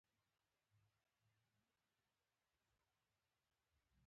د ډاکتر عرفان خبره رښتيا وه.